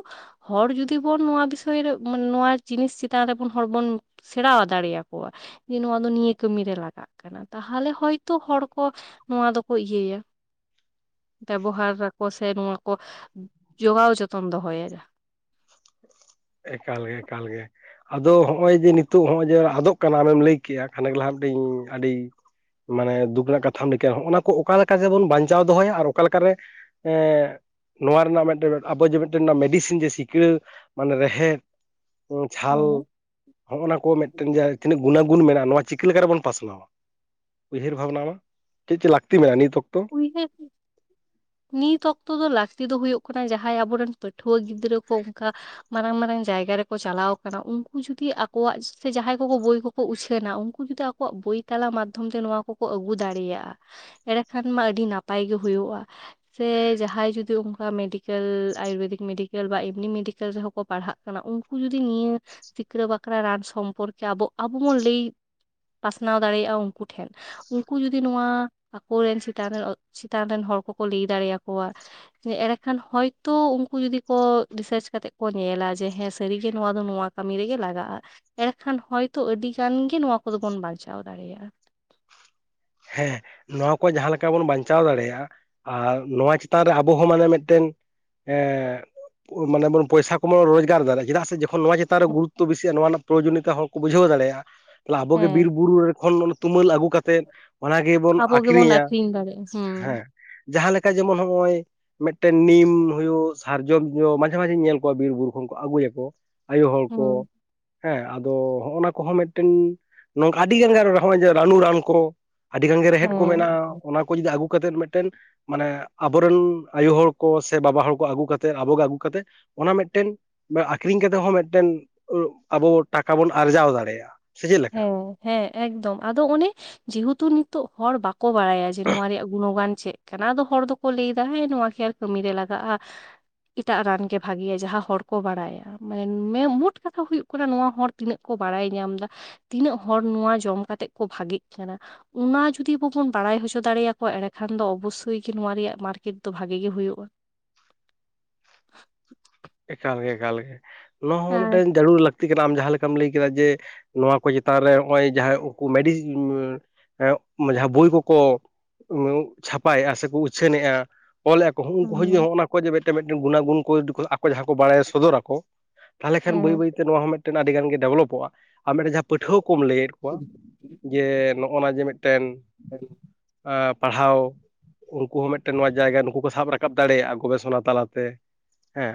ᱦᱚᱲ ᱡᱩᱫᱤ ᱵᱩᱱ ᱱᱚᱣᱟ ᱵᱤᱥᱚᱭ ᱨᱮ ᱢᱟᱱ ᱱᱚᱣᱟ ᱡᱤᱱᱤᱥ ᱪᱮᱛᱟᱱ ᱨᱮ ᱵᱩᱱ ᱦᱚᱲ ᱵᱚᱱ ᱥᱮᱬᱟ ᱫᱟᱲᱤᱭᱟᱠᱚᱣᱟ ᱡᱮ ᱱᱚᱣᱟ ᱫᱚ ᱱᱤᱭᱟᱹ ᱠᱟᱹᱢᱤᱨ ᱨᱮ ᱞᱟᱜᱟᱜ᱾ ᱛᱟᱦᱮᱱᱟ ᱛᱟᱦᱚᱞᱮ ᱦᱚᱭ ᱛᱚ ᱦᱚᱲ ᱠᱚ ᱱᱚᱣᱟ ᱫᱚᱠᱚ ᱤᱭᱟᱹᱭᱟ ᱾ ᱵᱮᱵᱚᱦᱟᱨᱟ ᱠᱚ ᱥᱮ ᱱᱚᱣᱟ ᱠᱚ ᱡᱚᱜᱟᱣ ᱡᱚᱛᱚᱱ ᱫᱚᱦᱚᱭᱟ ᱾ ᱮᱠᱟᱞ ᱜᱮ, ᱮᱠᱟᱞ ᱜᱮ ᱾ ᱟᱫᱚ ᱦᱚᱸᱜ-ᱚᱭ ᱡᱮ ᱱᱤᱛᱚᱜ ᱦᱚᱸᱜ-ᱚᱭ ᱡᱮ ᱟᱫᱚᱜ ᱠᱟᱱᱟ, ᱟᱢᱮᱢ ᱞᱟᱹᱭ ᱠᱮᱜ-ᱟ ᱠᱷᱟᱱᱮᱠ ᱞᱟᱦᱟ ᱫᱤᱧ ᱟᱹᱰᱤ ᱾ ᱢᱟᱱᱮ ᱫᱩᱠ ᱨᱮᱱᱟᱜ ᱠᱟᱛᱷᱟ ᱱᱤᱠᱟᱹ ᱦᱚᱸ-ᱚ ᱱᱟ ᱠᱚ ᱚᱠᱟ ᱞᱮᱠᱟ ᱨᱮ ᱵᱚᱱ ᱵᱟᱧᱪᱟᱣ ᱫᱚᱦᱚᱭᱟ? ᱟᱨ ᱚᱠᱟ ᱞᱮᱠᱟᱨᱮ ᱮᱸᱜ ᱱᱚᱣᱟ ᱨᱮᱱᱟᱜ ᱢᱮᱫᱴᱮᱱ ᱟᱵᱚ ᱡᱮ ᱢᱤᱫᱴᱮᱱ ᱢᱮᱰᱤᱥᱤᱱ ᱡᱮ ᱥᱤᱠᱲᱟᱹ ᱢᱟᱱᱮ ᱨᱮᱦᱮᱫ ᱩᱸ ᱪᱷᱟᱞ ᱦᱚᱜ-ᱚ ᱱᱟ ᱠᱚ ᱢᱤᱫᱴᱮᱱ ᱡᱟᱭ ᱛᱤᱱᱟᱹᱜ ᱜᱩᱱᱟ ᱜᱩᱱ ᱢᱮᱱᱟᱜ-ᱟ ᱱᱚᱣᱟ ᱪᱤᱠᱟᱹ ᱞᱮᱠᱟᱨᱮ ᱵᱩᱱ ᱯᱟᱥᱱᱟᱣᱟ? ᱩᱭᱦᱟᱹᱨ ᱵᱷᱟᱵᱽᱱᱟ ᱪᱮᱫ ᱪᱮᱫ ᱞᱟᱠᱛᱤ ᱢᱮᱱᱟᱜ-ᱟ ᱱᱤᱛ ᱚᱠᱛᱚ? [inaudible] ᱱᱤᱛ ᱚᱠᱛᱚ ᱫᱚ ᱞᱟᱠᱛᱤ ᱫᱚ ᱦᱩᱭᱩᱜ ᱠᱟᱱᱟ ᱡᱟᱦᱟᱸᱭ ᱟᱵᱚ ᱨᱮᱱ ᱯᱟᱹᱴᱷᱣᱟᱹ ᱜᱤᱫᱽᱨᱟᱹ ᱠᱚ ᱚᱱᱠᱟᱼᱼ ᱢᱟᱨᱟᱝ ᱢᱟᱨᱟᱝ ᱡᱟᱭᱜᱟ ᱨᱮᱠᱩ ᱪᱟᱞᱟᱣ ᱟᱠᱟᱱᱟ ᱩᱱᱠᱩ ᱡᱩᱫᱤ ᱟᱠᱚᱣᱟᱜ ᱥᱮ ᱡᱟᱦᱟᱸᱭ ᱠᱳ ᱠᱳ ᱵᱳᱭ ᱠᱳ ᱠᱳ ᱩᱪᱷᱟᱹᱱᱟ ᱩᱱᱠᱩ ᱡᱩᱫᱤ ᱟᱠᱚᱣᱟᱜ ᱵᱳᱭ ᱛᱟᱞᱟ ᱢᱟᱫᱽᱫᱷᱚᱢ ᱛᱮ ᱱᱚᱣᱟ ᱠᱚᱠᱚ ᱟᱹᱜᱩ ᱫᱟᱲᱮᱭᱟᱜ-ᱟ ᱮᱨᱮ ᱠᱷᱟᱱ ᱢᱟ ᱟᱹᱰᱤ ᱱᱟᱯᱟᱭ ᱜᱮ ᱦᱳᱭᱳᱜ-ᱟ᱾ ᱥᱮ ᱡᱟᱦᱟᱸᱭ ᱡᱩᱫᱤ ᱚᱱᱠᱟ ᱢᱮᱰᱤᱠᱮᱞ ᱟᱭᱩᱨᱵᱮᱫᱤᱠ ᱢᱮᱰᱤᱠᱮᱞ ᱵᱟ ᱮᱢᱱᱤ ᱢᱤᱰᱤᱠᱮᱞ ᱨᱮᱦᱚᱸ ᱠᱚ ᱯᱟᱲᱦᱟᱜ ᱠᱟᱱᱟ ᱩᱝᱠᱩ ᱡᱩᱫᱤ ᱱᱤᱭᱟᱹ ᱥᱤᱠᱲᱟᱹ ᱵᱟᱠᱨᱟ ᱨᱟᱡ ᱥᱚᱢᱯᱚᱨᱠᱮ ᱟᱫᱚ, ᱟᱵᱚ ᱵᱚᱱ ᱞᱟᱹᱭ ᱯᱟᱥᱱᱟᱣ ᱫᱟᱲᱮᱭᱟᱜᱼᱟ ᱩᱝᱠᱩ ᱴᱷᱮᱱ, ᱩᱝᱠᱩ ᱡᱩᱫᱤ ᱱᱩᱣᱟ ᱠᱳᱨᱮᱱ ᱪᱮᱛᱟᱱ ᱨᱮᱱ, ᱪᱮᱛᱟᱱ ᱨᱮᱱ ᱦᱚᱲ ᱠᱚ ᱠᱳᱞᱮᱭ ᱫᱟᱲᱮᱭᱟᱠᱳᱣᱟ᱾ ᱮᱸᱲᱮᱠᱷᱟᱱ ᱦᱚᱭᱛᱚ ᱩᱝᱠᱩ ᱡᱩᱫᱤ ᱠᱚ ᱨᱤᱥᱟᱹᱨᱪ ᱠᱟᱛᱮᱜ ᱠᱚ ᱧᱮᱞᱟ ᱡᱮ ᱦᱮᱸ ᱥᱟᱹᱨᱤᱜᱮ ᱱᱩᱣᱟ ᱫᱚ ᱱᱩᱣᱟ ᱠᱟᱹᱢᱤ ᱨᱮᱜᱮ ᱞᱟᱜᱟᱜ-ᱟ, ᱮᱲᱮᱠᱷᱟᱱ ᱦᱚᱭᱛᱳ ᱟᱹᱰᱤ ᱜᱟᱱ ᱜᱮ ᱱᱚᱣᱟ ᱠᱚᱫᱚ ᱵᱚᱱ ᱵᱟᱧᱪᱟᱣ ᱫᱟᱲᱮᱭᱟᱜ-ᱟ᱾ ᱦᱮᱸ ᱱᱚᱶᱟ ᱠᱚ ᱡᱟᱦᱟᱸ ᱞᱮᱠᱟ ᱵᱚᱱ ᱵᱟᱧᱪᱟᱣ ᱫᱟᱲᱮᱭᱟᱜ-ᱟ, ᱟᱨ ᱱᱚᱶᱟ ᱪᱮᱛᱟᱱ ᱨᱮ ᱟᱵᱚ ᱦᱚᱸ ᱢᱟᱱᱮ ᱢᱤᱫᱴᱮᱱ ᱮᱻ ᱚ ᱢᱟᱱᱮ ᱵᱚᱱ ᱯᱚᱭᱥᱟ ᱠᱚᱵᱚᱱ ᱨᱳᱡᱽᱜᱟᱨ ᱫᱟᱨᱮᱜ-ᱟ ᱪᱤᱫᱟᱜ ᱥᱮ ᱡᱚᱼᱼ ᱠᱚ ᱱᱚᱶᱟ ᱪᱮᱛᱟᱱ ᱨᱮ ᱜᱩᱨᱩᱛᱚ ᱵᱤᱥᱤᱜ-ᱟ ᱱᱚᱣᱟ ᱨᱮᱱᱟᱜ ᱯᱨᱚᱭᱳᱚᱡᱚᱱ ᱱᱤᱛᱟ ᱦᱚᱲ ᱠᱚ ᱵᱩᱡᱷᱟᱹᱣ ᱫᱟᱲᱮᱭᱟᱜ-ᱟ ᱛᱟᱞᱦᱮ ᱟᱵᱚ ᱜᱮ ᱦᱮᱸ ᱵᱤᱨ ᱵᱩᱨᱩ ᱨᱮ ᱠᱷᱚᱱ ᱵᱚᱱᱼᱼ ᱛᱩᱢᱟᱹᱞ ᱟᱜᱩ ᱠᱟᱛᱮᱫ ᱚᱱᱟ ᱜᱮ ᱵᱚᱱ ᱟᱵᱚ ᱜᱮᱵᱚᱱ ᱟᱠᱷᱨᱤᱧᱟ, ᱟᱠᱷᱨᱤᱧ ᱫᱟᱲᱮᱭᱟᱜᱼᱟ ᱦᱮᱸ ᱦᱩᱸ ᱡᱟᱦᱟᱸ ᱞᱮᱠᱟ ᱡᱮᱢᱚᱱ ᱱᱚᱜ-ᱚᱭ, ᱢᱤᱫᱴᱮᱱ ᱱᱤᱢ ᱦᱩᱭᱩᱜ ᱥᱟᱨᱡᱚᱢ ᱡᱚ ᱢᱟᱡᱷᱮ ᱢᱟᱡᱷᱮ ᱧᱮᱞ ᱠᱩᱣᱟ ᱵᱤᱨᱼᱵᱩᱨᱩ ᱠᱷᱚᱱ ᱠᱚ ᱟᱜᱩᱭᱟ ᱠᱚ᱾ ᱟᱭᱳ ᱦᱚᱲ ᱠᱚ, ᱦᱩᱸ ᱦᱮᱸ ᱟᱫᱚ ᱦᱚᱸᱜ-ᱚ ᱱᱟ ᱠᱚ ᱦᱚᱸ ᱢᱤᱫᱴᱮᱱ ᱱᱚᱝᱠᱟ ᱟᱰᱤ ᱜᱟᱱ ᱜᱟᱱ ᱦᱚᱸᱜ-ᱚᱭ ᱡᱮ ᱨᱟᱱᱩ ᱨᱟᱱ ᱠᱚᱼᱼ ᱟᱰᱤ ᱜᱟᱱ ᱜᱮ ᱨᱮᱦᱮᱫ ᱠᱚ ᱢᱮᱱᱟᱜ-ᱟ ᱦᱮᱸ ᱚᱱᱟ ᱠᱚ ᱡᱩᱫᱤ ᱟᱜᱩ ᱠᱟᱛᱮᱫ ᱢᱮᱫᱴᱮᱱᱼᱼ ᱢᱟᱱᱮ ᱟᱵᱚ ᱨᱮᱱ ᱟᱭᱚ ᱦᱚᱲ ᱠᱚ ᱥᱮ ᱵᱟᱵᱟ ᱦᱚᱲ ᱠᱚ ᱟᱜᱩ ᱠᱟᱛᱮᱫ ᱟᱵᱩ ᱜᱮ ᱟᱜᱩ ᱠᱟᱛᱮᱜᱼᱼ ᱚᱱᱟ ᱢᱮᱫᱴᱮᱱ ᱵᱟ ᱟᱠᱷᱨᱤᱧ ᱠᱟᱛᱮᱜ ᱦᱚᱸ ᱢᱮᱫᱴᱮᱱ ᱩᱸᱜ ᱟᱵᱚ ᱴᱟᱠᱟ ᱵᱚᱱ ᱟᱨᱡᱟᱣ ᱫᱟᱲᱮᱭᱟᱜ-ᱟ᱾ ᱥᱮ ᱪᱮᱜ ᱞᱮᱠᱟ? ᱦᱮᱸ ᱦᱮᱸ ᱮᱠᱫᱚᱢ ᱟᱫᱚ ᱚᱱᱮ ᱡᱮ ᱦᱮᱛᱩ ᱱᱤᱛᱚᱜ ᱦᱚᱲ ᱵᱟᱠᱚ ᱵᱟᱲᱟᱭᱟ ᱡᱮ ᱱᱚᱶᱟ ᱨᱮᱭᱟᱜ ᱜᱩᱱᱚ ᱜᱟᱱ ᱪᱮᱜ ᱠᱟᱱᱟ ᱟᱫᱚ ᱦᱚᱲ ᱫᱚᱠᱚ ᱞᱟᱹᱭ ᱫᱟ ᱦᱮᱸ ᱱᱚᱶᱟ ᱠᱮ ᱟᱨ ᱠᱟᱹᱢᱤ ᱨᱮ ᱞᱟᱜᱟᱜ-ᱟ? ᱤᱴᱟᱜ ᱨᱟᱱ ᱜᱮ ᱵᱷᱟᱜᱤᱭᱟ ᱡᱟᱦᱟᱸ ᱦᱚᱲ ᱠᱚ ᱵᱟᱲᱟᱭᱟ᱾ ᱢᱟᱱ ᱢᱮ ᱢᱩᱴ ᱠᱟᱛᱷᱟ ᱦᱩᱭᱩᱜ ᱠᱟᱱᱟ ᱱᱚᱣᱟ ᱦᱚᱲ ᱛᱤᱱᱟᱹᱜ ᱠᱚ ᱵᱟᱲᱟᱭ ᱧᱟᱢ ᱫᱟ? ᱛᱤᱱᱟᱹᱜ ᱦᱚᱲ ᱱᱩᱶᱟ ᱡᱚᱢ ᱠᱟᱛᱮᱜ ᱠᱚ ᱵᱷᱟᱜᱤᱜ ᱠᱟᱱᱟ? ᱩᱱᱟ ᱡᱩᱫᱤ ᱵᱚᱵᱚᱱ ᱵᱟᱲᱟᱭ ᱦᱚᱪᱚ ᱫᱟᱲᱮ ᱭᱟᱠᱚᱣᱟ ᱮᱲᱮ ᱠᱷᱟᱱ ᱫᱚ ᱚᱵᱚᱥᱥᱳᱭ ᱜᱮ ᱱᱚᱣᱟ ᱨᱮᱭᱟᱜ ᱢᱟᱨᱠᱮᱴ ᱫᱚ ᱵᱷᱟᱜᱤ ᱜᱤ ᱦᱩᱭᱩᱜ-ᱟ᱾ ᱮᱠᱟᱞ ᱜᱮ ᱮᱠᱟᱞ ᱜᱮ ᱱᱚᱣᱟ ᱦᱚᱸ ᱟᱨ ᱢᱤᱫᱴᱮᱱ ᱰᱟᱹᱨᱩᱲ ᱞᱟᱹᱠᱛᱤ ᱠᱟᱱᱟ ᱟᱢ ᱡᱟᱦᱟᱸ ᱞᱮᱠᱼᱼ ᱠᱟᱢ ᱞᱟᱹᱭ ᱠᱮᱫᱟ ᱡᱮ ᱱᱚᱣᱟ ᱠᱚ ᱪᱮᱛᱟᱱ ᱨᱮ ᱦᱚᱸᱜ-ᱚᱭ ᱡᱟᱦᱟᱸᱭ ᱩᱱᱠᱩ ᱢᱮᱰᱤᱡᱽ‌ ᱚᱸᱼᱼ ᱮᱸᱜ ᱡᱟᱦᱟᱸ ᱵᱳᱭ ᱠᱚᱠᱚ ᱩᱸᱜ ᱪᱷᱟᱯᱟᱭᱟᱜ-ᱟ, ᱥᱮᱠᱩ ᱩᱪᱷᱟᱹᱱᱮᱜ-ᱟ, ᱚᱞ ᱟᱜ ᱦᱚᱸ ᱩᱱᱠᱩ ᱦᱚᱸ ᱡᱩᱫᱤ ᱦᱩᱸ ᱦᱚᱸᱜ- ᱱᱟ ᱠᱚ ᱡᱮ ᱢᱮᱫᱴᱮᱱ ᱢᱮᱫᱴᱮᱱ ᱜᱩᱱᱟ ᱜᱩᱱ ᱠᱚ ᱰᱤ‌ᱠ [inaudible] ᱡᱟᱦᱟᱸᱭ ᱠᱚ ᱵᱟᱲᱟᱭᱟ ᱥᱚᱫᱚᱨᱟ ᱠᱚ ᱛᱟᱦᱚᱞᱮ ᱠᱷᱟᱱ ᱵᱟᱹᱭ ᱦᱮᱸ ᱵᱟᱹᱭᱼᱼ ᱛᱮ ᱱᱚᱶᱟ ᱦᱚᱸ ᱢᱮᱫᱴᱮᱱ ᱟᱹᱰᱤ ᱜᱟᱱ ᱜᱮ ᱰᱮᱵᱽᱞᱚᱯᱚᱜ-ᱟ ᱟᱨ ᱢᱮᱫᱴᱮᱱ ᱡᱟᱦᱟᱸ ᱯᱟᱹᱴᱷᱩᱣᱟᱹ ᱠᱚᱢ ᱞᱟᱹᱭᱮᱫ ᱠᱚᱣᱟᱼᱼ ᱡᱮ ᱱᱚᱜ-ᱱᱟ ᱡᱮ ᱢᱮᱫ ᱴᱮᱱᱼᱼ ᱟᱹᱰᱤ, ᱚᱸ ᱯᱟᱲᱦᱟᱣ ᱩᱱᱠᱩ ᱦᱚᱸ ᱢᱮᱫ ᱴᱮᱱ ᱱᱚᱣᱟ ᱡᱟᱭᱜᱟ ᱱᱩᱠᱩ ᱠᱚ ᱥᱟᱵ ᱨᱟᱠᱟᱵ ᱫᱟᱲᱮᱭᱟᱜ-ᱟ ᱜᱚᱵᱮ ᱥᱚᱱᱟ ᱛᱟᱞᱟ ᱛᱮ᱾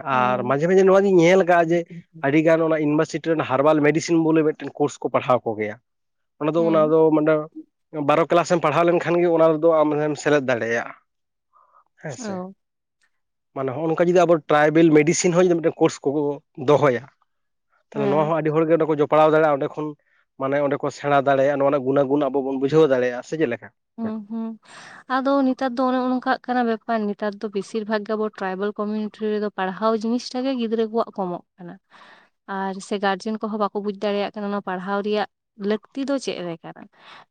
ᱟᱨ ᱦᱮᱸ ᱢᱟᱡᱷᱮ ᱢᱟᱡᱮ ᱱᱚᱣᱟ ᱜᱤᱧ ᱧᱮᱞ ᱠᱟᱜ-ᱟ ᱡᱮ ᱟᱰᱤᱼᱼ ᱜᱟᱱ ᱚᱱᱟ ᱤᱱᱵᱚᱨᱥᱤᱴᱤ ᱨᱮᱱ ᱦᱟᱨᱵᱟᱞ ᱢᱮᱰᱤᱥᱤᱱ ᱵᱚᱞᱮ ᱢᱮᱫᱴᱮᱱ ᱠᱳᱥ ᱠᱚ ᱯᱟᱲᱦᱟᱣ ᱠᱚ ᱜᱮᱭᱟ᱾ ᱚᱱᱟ ᱫᱚ ᱚᱱᱟ ᱦᱮᱸ ᱫᱚ ᱢᱟᱱᱮ ᱵᱟᱨᱚᱠᱼᱼ ᱠᱞᱟᱥᱮᱢ ᱯᱟᱲᱦᱟᱣ ᱞᱮᱱᱠᱷᱟᱱ ᱜᱮ ᱚᱱᱟ ᱨᱮᱫᱚ ᱟᱢ ᱨᱮᱢ ᱥᱮᱞᱮᱫ ᱫᱟᱲᱮᱭᱟᱜ-ᱟ, ᱦᱮᱸ ᱥᱮ᱾ ᱚ ᱢᱟᱱᱮ ᱦᱚᱸᱜ-ᱚ ᱱᱚᱝᱠᱟ ᱡᱩᱫᱤ ᱟᱵᱚ ᱴᱨᱟᱭᱵᱮᱞ ᱢᱮᱰᱤᱥᱤᱱ ᱦᱚᱸ ᱡᱩᱫᱤ ᱢᱮᱫᱴᱮᱱ ᱠᱳᱨᱥ ᱠᱚᱠᱚ ᱫᱚᱦᱚᱭᱟ, ᱛᱟᱦᱚᱞᱮ ᱱᱚᱣᱟ ᱦᱮᱸ ᱦᱚᱸ ᱟᱰᱤ ᱦᱚᱲ ᱜᱮ ᱠᱚ ᱡᱚᱯᱼᱼ ᱯᱟᱲᱟᱣ ᱫᱟᱲᱮᱭᱟ-ᱟ ᱚᱸᱰᱮ ᱠᱷᱚᱱ ᱢᱟᱱᱮ ᱚᱸᱰᱮ ᱠᱚ ᱥᱮᱬᱟ ᱫᱟᱲᱮᱭᱟᱜ-ᱟ, ᱱᱚᱣᱟ ᱜᱩᱱᱟᱹ ᱜᱩᱱ ᱟᱵᱚ ᱵᱚᱱ ᱵᱩᱡᱷᱟᱹᱣ ᱫᱟᱲᱮᱭᱟᱜ-ᱟ ᱥᱮ ᱪᱮᱫ ᱞᱮᱠᱟ? ᱦᱩᱸ ᱦᱩᱸ ᱟᱫᱚ ᱱᱤᱛᱟᱨ ᱫᱚ ᱚᱱᱮ ᱚᱱᱠᱟᱜ ᱠᱟᱱᱟ ᱵᱮᱯᱟᱨ ᱱᱤᱛᱟᱨ ᱫᱚ ᱵᱤᱥᱤᱨ ᱵᱷᱟᱜᱽ ᱜᱮ ᱟᱵᱚ ᱴᱨᱟᱭᱵᱚᱞ ᱠᱚᱢᱤᱭᱩᱱᱤᱴᱤ ᱨᱮᱫᱚᱼᱼ ᱯᱟᱲᱦᱟᱣ ᱡᱤᱱᱤᱥ ᱴᱟᱜ ᱜᱮ ᱜᱤᱫᱽᱨᱟᱹ ᱠᱚᱣᱟᱜ ᱠᱚᱢᱚᱜ ᱠᱟᱱᱟ᱾ ᱟᱨ ᱥᱮ ᱜᱟᱨᱡᱮᱱ ᱠᱚᱦᱚᱸ ᱵᱟᱠᱚ ᱵᱩᱡᱽ ᱫᱟᱲᱮᱭᱟᱜ ᱠᱟᱱᱟ ᱚᱱᱟ ᱯᱟᱲᱦᱟᱣ ᱨᱮᱭᱟᱜ ᱞᱟᱹᱠᱛᱤ ᱫᱚ ᱪᱮᱫ ᱞᱮᱠᱟᱱᱟ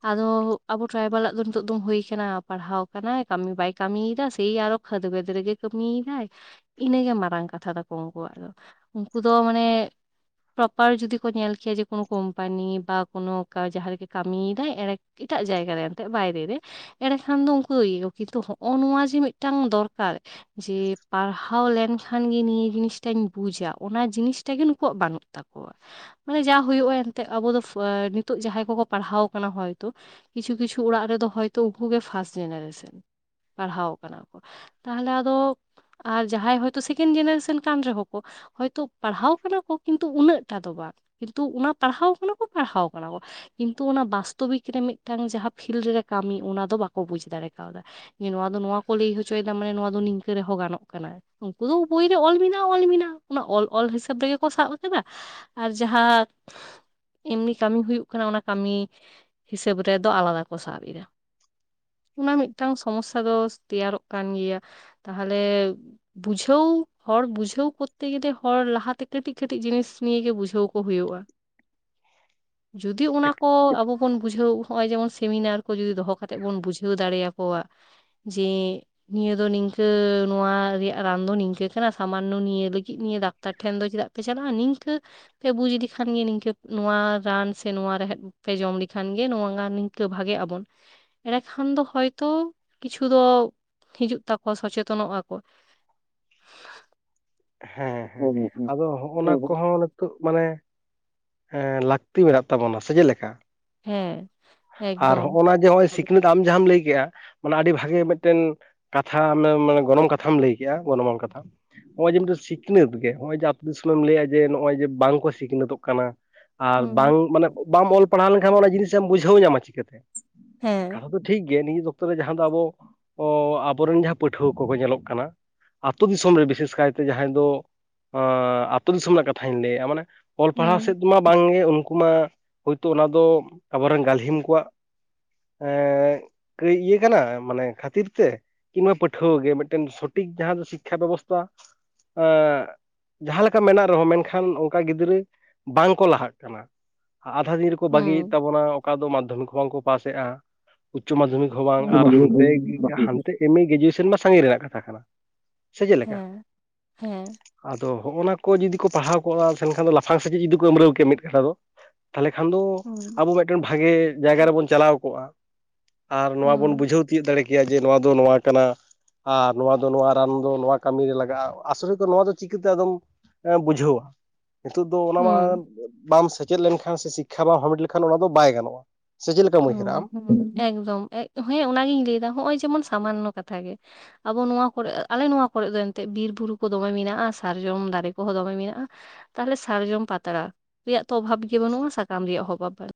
ᱟᱫᱚ ᱟᱵᱚ ᱴᱮ? ᱴᱨᱟᱭᱵᱟᱞᱟᱜ ᱫᱚ ᱱᱤᱛᱚᱜ ᱫᱚᱢ ᱦᱩᱭ ᱟᱠᱟᱱᱟ ᱯᱟᱲᱦᱟᱣ ᱠᱟᱱᱟᱭ ᱠᱟᱹᱢᱤ ᱵᱟᱭ ᱠᱟᱹᱢᱤᱭᱮᱫᱟ ᱥᱮᱭ ᱟᱨᱚ ᱠᱷᱟᱹᱫᱽ ᱠᱮᱫᱽ ᱨᱮᱜᱮ᱾ ᱠᱟᱹᱢᱤ ᱭᱮᱫᱟᱭ ᱤᱱᱟᱹ ᱜᱮ ᱢᱟᱨᱟᱝ ᱠᱟᱛᱷᱟ ᱛᱟᱠᱚ ᱩᱱᱠᱩ ᱣᱟᱜ ᱫᱚ ᱩᱱᱠᱩ ᱫᱚ ᱢᱟᱱᱮᱼᱼ ᱯᱨᱚᱯᱟᱨ ᱡᱩᱫᱤ ᱠᱚ ᱧᱮᱞ ᱠᱮᱭᱟ ᱡᱮ ᱠᱚᱱᱚ ᱠᱳᱢᱯᱟᱱᱤ ᱵᱟ ᱠᱚᱱᱚ ᱠᱟ ᱡᱟᱦᱟᱸ ᱨᱮ ᱜᱮ ᱠᱟᱢᱤ ᱭᱮᱫᱟᱭ ᱮᱲᱮᱼᱼ ᱤᱴᱟᱜ ᱡᱟᱭᱜᱟ ᱨᱮ ᱮᱱᱛᱮᱜ ᱵᱟᱭᱨᱮ ᱨᱮᱼᱼ ᱮᱲᱮᱠᱷᱟᱱ ᱫᱚ ᱩᱱᱠᱩ ᱤᱭᱟᱹ ᱠᱤᱱᱛᱩ ᱦᱚᱸᱜ-ᱚ ᱱᱩᱶᱟ ᱡᱮ ᱢᱤᱫ ᱴᱟᱝ ᱫᱚᱨᱠᱟᱨᱼᱼ ᱡᱮ ᱯᱟᱲᱦᱟᱣ ᱞᱮᱱ ᱠᱷᱟᱱ ᱜᱮ ᱱᱤᱭᱟᱹ ᱡᱤᱱᱤᱥᱴᱟᱧ ᱵᱩᱡᱟ ᱚᱱᱟ ᱡᱤᱱᱤᱥ ᱴᱟ ᱜᱮ ᱱᱩᱠᱩ ᱣᱟᱜ ᱵᱟᱱᱩᱜ ᱛᱟᱠᱚᱣᱟ᱾ ᱢᱟᱱᱮ ᱡᱟ ᱦᱩᱭᱩᱜ-ᱟ ᱮᱱᱛᱜ ᱟᱵᱚ ᱫᱚ ᱯᱷᱚ ᱱᱤᱛᱚᱜ ᱡᱟᱦᱟᱸᱭ ᱠᱚ ᱠᱚ ᱯᱟᱲᱦᱟᱣ ᱠᱟᱱᱟ ᱦᱚᱭ ᱛᱩ ᱠᱤᱪᱷᱩᱼᱼ ᱠᱤᱪᱷᱩ ᱚᱲᱟᱜ ᱨᱮᱫᱚ ᱦᱚᱭᱛᱚ ᱩᱱᱠᱩ ᱜᱮ ᱯᱷᱟᱥᱴ ᱡᱮᱱᱮᱨᱮᱥᱮᱱ, ᱯᱟᱲᱦᱟᱣ ᱠᱟᱱᱟ ᱠᱚ᱾ ᱛᱟᱦᱞᱮ ᱟᱫᱚ ᱟᱨ ᱡᱟᱦᱟᱸᱭ ᱦᱳᱭᱛᱳ ᱥᱮᱠᱮᱱᱰ ᱡᱮᱱᱮᱨᱮᱥᱮᱱ ᱠᱟᱱ ᱨᱮ ᱦᱚᱸ ᱠᱚᱼᱼ ᱦᱚᱭᱛᱚ ᱯᱟᱲᱦᱟᱣ ᱠᱟᱱᱟ ᱠᱚ ᱠᱤᱱᱛᱩ ᱩᱱᱟᱹᱜ ᱴᱟ ᱫᱚ ᱵᱟᱝ ᱠᱤᱱᱛᱩ ᱚᱱᱟ ᱯᱟᱲᱦᱟᱣ ᱠᱟᱱᱟ ᱠᱚ ᱯᱟᱲᱦᱟᱣ ᱠᱟᱱᱟ ᱠᱚ᱾ ᱠᱤᱱᱛᱩ ᱚᱱᱟ ᱵᱟᱥᱛᱚᱣᱤᱠ ᱨᱮ ᱢᱤᱫ ᱴᱟᱝ ᱡᱟᱦᱟᱸ ᱯᱷᱤᱞᱰ ᱨᱮ ᱠᱟᱢᱤ ᱚᱱᱟ ᱫᱚ ᱵᱟᱠᱚ ᱵᱩᱡᱽ ᱫᱟᱲᱮ ᱠᱟᱣᱫᱟ᱾ ᱡᱮ ᱱᱚᱶᱟ ᱫᱚ ᱱᱚᱣᱟ ᱠᱚ ᱞᱟᱹᱭ ᱦᱚᱪᱚᱭᱮᱫᱟ ᱢᱟᱱᱮ ᱱᱚᱣᱟ ᱫᱚ ᱱᱤᱝᱠᱟᱹ ᱨᱮᱦᱚᱸ ᱜᱟᱱᱚᱜ ᱠᱟᱱᱟ᱾ ᱩᱱᱠᱩ ᱫᱚ ᱵᱳᱭ ᱨᱮ ᱚᱞ ᱢᱮᱱᱟᱜᱼᱟ ᱚᱞ ᱢᱮᱱᱟᱜᱼᱟ ᱚᱱᱟ ᱚᱞ ᱚᱞ ᱦᱤᱥᱟᱹᱵ ᱨᱮᱜᱮ ᱠᱚ ᱥᱟᱵ ᱟᱠᱟᱫᱟ᱾ ᱟᱨ ᱡᱟᱦᱟᱸ ᱮᱢᱱᱤ ᱠᱟᱹᱢᱤ ᱦᱩᱭᱩᱜ ᱠᱟᱱᱟ ᱚᱱᱟ ᱠᱟᱹᱢᱤ ᱦᱤᱥᱟᱹᱵ ᱨᱮᱫᱚ ᱟᱞᱟᱫᱟ ᱠᱚ ᱥᱟᱵ ᱮᱟ᱾ ᱚᱱᱟ ᱢᱤᱫ ᱴᱟᱝ ᱥᱚᱢᱚᱥᱥᱟ ᱫᱚ ᱛᱮᱭᱟᱨᱚᱜ ᱠᱟᱱ ᱜᱮᱭᱟ ᱛᱟᱦᱚᱞᱮ ᱵᱩᱡᱷᱟᱹᱣ ᱦᱚᱲ ᱵᱩᱡᱷᱟᱹᱣ ᱠᱚᱨᱛᱮ ᱜᱮᱞᱮ ᱦᱚᱲ ᱞᱟᱦᱟᱛᱮ ᱠᱟᱹᱴᱤᱡ ᱠᱟᱹᱴᱤᱡ ᱡᱤᱱᱤᱥ ᱱᱤᱭᱮ ᱜᱮ ᱵᱩᱡᱷᱟᱹᱣ ᱠᱚ ᱦᱩᱭᱩᱜᱼᱟ᱾ ᱡᱩᱫᱤ ᱚᱱᱟ ᱠᱚ ᱟᱵᱚ ᱵᱚᱱ ᱵᱩᱡᱷᱟᱹᱣ, ᱦᱚᱸᱜᱼᱚᱭ ᱡᱮᱢᱚᱱ ᱥᱮᱢᱤᱱᱟᱨ ᱠᱚ ᱡᱩᱫᱤ ᱫᱚᱦᱚ ᱠᱟᱛᱮᱫ ᱵᱚᱱ ᱵᱩᱡᱷᱟᱹᱣ ᱫᱟᱲᱮᱭᱟᱠᱚᱣᱟ ᱡᱮ ᱱᱤᱭᱟᱹ ᱫᱚ ᱱᱤᱝᱠᱟᱹ ᱱᱚᱶᱟ ᱨᱮᱭᱟᱜ ᱨᱟᱱ ᱫᱚ ᱱᱤᱝᱠᱟᱹ ᱠᱟᱱᱟ ᱥᱟᱢᱟᱱᱱᱚ ᱱᱤᱭᱟᱹ ᱞᱟᱹᱜᱤᱫ ᱱᱤᱭᱟᱹ ᱰᱟᱠᱛᱟᱨ ᱴᱷᱮᱱ ᱫᱚ ᱪᱮᱫᱟᱜ? ᱯᱮ ᱪᱟᱞᱟᱜᱼᱟ ᱱᱤᱝᱠᱟᱹ᱾ ᱯᱮ ᱵᱩᱡ ᱞᱮᱠᱷᱟᱱ ᱜᱮ ᱱᱤᱝᱠᱟᱹ ᱱᱚᱶᱟ ᱨᱟᱱ ᱥᱮ ᱱᱚᱶᱟ ᱨᱮᱦᱮᱫ ᱯᱮ ᱡᱚᱢ ᱞᱮᱠᱷᱟᱱ ᱜᱮ ᱱᱚᱶᱟ ᱜᱟᱱᱤᱝ ᱛᱚ ᱵᱷᱟᱜᱮᱜ ᱟᱵᱚᱱ᱾ ᱮᱸᱰᱮᱠᱷᱟᱱ ᱫᱚ ᱦᱚᱭᱛᱚ ᱠᱤᱪᱷᱩ ᱫᱚ ᱦᱤᱡᱩᱜ ᱛᱟᱠᱚᱣᱟ ᱥᱚᱪᱮᱛᱚᱱᱚᱜ ᱟᱠᱚ᱾ ᱦᱮᱸ ᱦᱮᱸ ᱟᱫᱚ ᱦᱚᱜ ᱚᱱᱟ ᱠᱚᱦᱚᱸ ᱱᱤᱛᱚᱜ ᱢᱟᱱᱮ ᱦᱮᱸ ᱞᱟᱠᱛᱤ ᱢᱮᱱᱟᱜ ᱛᱟᱵᱚᱱᱟ ᱥᱮ ᱪᱮᱫ ᱞᱮᱠᱟ? ᱦᱮᱸ ᱟᱨ ᱮᱠᱫᱚᱢ ᱦᱚᱜᱼᱱᱟ ᱡᱮ ᱦᱚᱜᱼᱚᱭ ᱥᱤᱠᱷᱱᱟᱹᱛ ᱟᱢ ᱡᱟᱦᱟᱸᱢ ᱞᱟᱹᱭ ᱠᱮᱫ ᱟ ᱢᱟᱱᱮ ᱟᱹᱰᱤ ᱵᱷᱟᱜᱮ ᱢᱤᱫ ᱴᱮᱱ ᱠᱟᱛᱷᱟ ᱟᱢᱮᱢ ᱢᱟᱱᱮ ᱜᱚᱱᱚᱝ ᱠᱟᱛᱷᱟᱢ ᱞᱟᱹᱭ ᱠᱮᱫ ᱟ ᱜᱚᱱᱚᱝ ᱟᱱ ᱠᱟᱛᱷᱟ᱾ ᱱᱚᱜᱼᱚᱭ ᱡᱮ ᱢᱤᱫᱴᱮᱱ ᱥᱤᱠᱷᱱᱟᱹᱛ ᱜᱮ ᱱᱚᱜᱼᱚᱭ ᱡᱮ ᱟᱯᱮ ᱫᱤᱥᱚᱢ ᱮᱢ ᱞᱟᱹᱭᱟ ᱡᱮ ᱱᱚᱜᱼᱚᱭ ᱡᱮ ᱵᱟᱝ ᱠᱚ ᱥᱤᱠᱷᱱᱟᱹᱛᱚᱜ ᱠᱟᱱᱟ᱾ ᱟᱨ ᱵᱟᱝ ᱦᱩᱸ ᱢᱟᱱᱮ ᱵᱟᱢ ᱚᱞ ᱯᱟᱲᱦᱟᱣ ᱞᱮᱱᱠᱷᱟᱱ ᱚᱱᱟ ᱡᱤᱱᱤᱥ ᱮᱢ ᱵᱩᱡᱷᱟᱹᱣ ᱧᱟᱢᱟ ᱪᱤᱠᱟᱹᱛᱮ, ᱦᱮᱸ ᱠᱟᱛᱷᱟ ᱫᱚ ᱴᱷᱤᱠ ᱜᱮ ᱱᱤᱫ ᱚᱠᱛᱚ ᱨᱮ ᱡᱟᱦᱟᱸ ᱫᱚ ᱟᱵᱚ ᱟᱵᱚᱨᱮᱱ ᱡᱟᱦᱟᱸ ᱯᱟᱹᱴᱷᱩᱣᱟᱹ ᱠᱚᱠᱚ ᱧᱮᱞᱚᱜ ᱠᱟᱱᱟ᱾ ᱟᱛᱳ ᱫᱤᱥᱚᱢ ᱨᱮ ᱵᱤᱥᱮᱥ ᱠᱟᱭᱛᱮ ᱡᱟᱦᱟᱸᱭ ᱫᱚ ᱟᱛᱳ ᱫᱤᱥᱚᱢ ᱨᱮᱱᱟᱜ ᱠᱟᱛᱷᱟᱧ ᱞᱟᱹᱭᱮᱫᱼᱟ ᱢᱟᱱᱮ ᱚᱞ ᱯᱟᱲᱦᱟᱣ ᱥᱮᱫ ᱦᱩᱸ ᱛᱮ ᱢᱟ ᱵᱟᱝᱜᱮ ᱩᱱᱠᱩ ᱢᱟ ᱦᱳᱭᱛᱚ ᱚᱱᱟ ᱫᱚ ᱟᱵᱚᱨᱮᱱ ᱜᱟᱞᱦᱤᱢ ᱠᱚᱣᱟᱜ ᱮᱸ ᱠᱟᱹᱡ ᱤᱭᱟᱹ ᱠᱟᱱᱟ ᱢᱟᱱᱮ ᱠᱷᱟᱹᱛᱤᱨ ᱛᱮ᱾ ᱠᱤᱵᱟ ᱯᱟᱹᱴᱷᱣᱟᱹ ᱜᱮ ᱢᱤᱫᱴᱮᱱ ᱥᱚᱴᱷᱤᱠ ᱡᱟᱦᱟᱸ ᱫᱚ ᱥᱤᱠᱠᱷᱟ ᱵᱮᱵᱚᱥᱛᱷᱟ, ᱮᱸ ᱡᱟᱦᱟᱸ ᱞᱮᱠᱟ ᱢᱮᱱᱟᱜ ᱨᱮᱦᱚᱸ ᱢᱮᱱᱠᱷᱟᱱ ᱚᱱᱠᱟ ᱜᱤᱫᱽᱨᱟᱹ ᱵᱟᱝᱠᱚ ᱞᱟᱦᱟᱜ ᱠᱟᱱᱟ᱾ ᱟᱫᱷᱟ ᱫᱤᱱ ᱨᱮᱠᱚ ᱵᱟᱹᱜᱤᱭᱮᱫ ᱦᱩᱸ ᱛᱟᱵᱚᱱᱟ ᱚᱠᱟ ᱫᱚ ᱢᱟᱫᱽᱫᱷᱚᱢᱤᱠ ᱦᱚᱸ ᱵᱟᱝᱠᱚ ᱯᱟᱥᱮᱜᱼᱟ, ᱩᱪᱪᱚ ᱢᱟᱫᱽᱫᱷᱚᱢᱤᱠ ᱦᱚ ᱵᱟᱝ ᱦᱩᱸ ᱟᱨ ᱦᱟᱱᱛᱮᱜᱤ ᱦᱟᱱᱛᱮ ᱮᱢᱮ ᱜᱮᱡᱩᱭᱮᱥᱚᱱ ᱢᱟ ᱥᱟᱺᱜᱤᱧ ᱨᱮᱱᱟᱜ ᱠᱟᱛᱷᱟ ᱠᱟᱱᱟ᱾ ᱥᱮ ᱪᱮᱫ ᱞᱮᱠᱟ? ᱦᱮᱸ ᱦᱮᱸ ᱟᱫᱚ ᱦᱚᱜᱼᱚ ᱱᱟ ᱠᱚ ᱡᱩᱫᱤ ᱠᱚ ᱯᱟᱲᱦᱟᱣ ᱠᱚᱜᱼᱟ ᱮᱱᱠᱷᱟᱱ ᱫᱚ ᱞᱟᱯᱷᱟᱝ ᱥᱮᱪᱮᱫ ᱡᱩᱫᱤ ᱠᱚ ᱟᱹᱢᱨᱟᱹᱣ ᱠᱮᱭᱟ ᱢᱤᱫ ᱠᱟᱴᱟ ᱫᱚ᱾ ᱛᱷᱟᱞᱮ ᱠᱷᱟᱱ ᱫᱚ ᱦᱩᱸ ᱟᱵᱚ ᱢᱤᱫ ᱴᱮᱱ ᱵᱷᱟᱜᱮ ᱡᱟᱭᱜᱟ ᱨᱮᱵᱚᱱ ᱪᱟᱞᱟᱣ ᱠᱚᱜᱼᱟ᱾ ᱟᱨ ᱱᱚᱶᱟ ᱵᱚᱱ ᱦᱩᱸ ᱵᱩᱡᱷᱟᱹᱣ ᱛᱤᱭᱳᱜ ᱫᱟᱲᱮ ᱠᱮᱭᱟ ᱡᱮ ᱱᱚᱶᱟ ᱫᱚ ᱱᱚᱶᱟ ᱠᱟᱱᱟ᱾ ᱟᱨ ᱱᱚᱶᱟ ᱫᱚ ᱱᱚᱡᱶᱟ ᱨᱟᱱ ᱫᱚ ᱱᱚᱶᱟ ᱠᱟᱹᱢᱤ ᱨᱮ ᱞᱟᱜᱟᱜᱼᱟ᱾ᱟᱥᱚᱞᱮ ᱠᱚ ᱱᱚᱣᱟ ᱫᱚ ᱪᱤᱠᱟᱹᱛᱮ ᱟᱫᱚᱢ ᱮᱸ ᱵᱩᱡᱷᱟᱹᱣᱟ᱾ ᱱᱤᱛᱚᱜ ᱫᱚ ᱚᱱᱟ ᱢᱟ ᱦᱩᱸ ᱵᱟᱢ ᱥᱮᱪᱮᱫ ᱞᱮᱱᱠᱷᱟᱱ ᱥᱮ ᱥᱤᱠᱠᱷᱟ ᱵᱟᱢ ᱦᱟᱢᱮᱴ ᱞᱮᱠᱷᱟᱱ ᱚᱱᱟ ᱫᱚ ᱵᱟᱭ ᱜᱟᱱᱚᱜᱼᱟ᱾ ᱥᱮ ᱪᱮᱫ ᱞᱮᱠᱟᱢ ᱩᱭᱦᱟᱹᱨᱟ ᱟᱢ ᱚᱸᱦᱚᱧᱻ ᱦᱚ ᱦᱚ ᱚᱠᱫᱚᱢ ᱮᱭ ᱦᱮ ᱚᱱᱟ ᱜᱮ ᱞᱮᱫᱟ ᱦᱚᱭ ᱡᱮᱢᱚᱱ ᱥᱟᱢᱟᱱ ᱠᱟᱛᱷᱟ ᱜᱮ ᱟᱵᱚ ᱱᱚᱶᱟ ᱠᱚᱨᱮ ᱟᱞᱮ ᱱᱚᱶᱟ ᱠᱚᱨᱮ ᱫᱚ ᱮᱱᱛᱮᱫ ᱵᱤᱨ ᱵᱩᱨᱩ ᱠᱚ ᱫᱚᱢᱮ ᱢᱮᱱᱟᱜᱼᱟ ᱥᱟᱨᱡᱚᱢ ᱫᱟᱨᱮ ᱠᱚᱦᱚᱸ ᱫᱚᱢᱮ ᱢᱮᱱᱟᱜᱼᱟ ᱛᱟᱦᱚᱞᱮ ᱥᱟᱨᱡᱚᱢ ᱯᱟᱛᱲᱟ ᱨᱮᱭᱟᱜ ᱛᱚ ᱚᱵᱷᱟᱵᱽ ᱜᱮ ᱵᱟᱹᱱᱩᱜᱼᱟ ᱥᱟᱠᱟᱢ ᱨᱮᱭᱟᱜ ᱦᱚᱸ ᱚᱵᱷᱟᱵᱽ ᱵᱟᱹᱱᱩᱜᱼᱟ